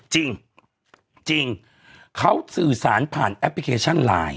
จริงจริงเขาสื่อสารผ่านแอปพลิเคชันไลน์